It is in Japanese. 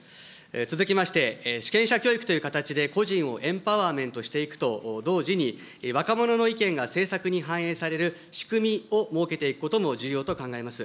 続きまして、主権者教育という形で個人をエンパワーメントしていくと同時に、若者の意見が政策に反映される仕組みを設けていくことも重要と考えます。